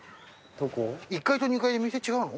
１階と２階で店違うの？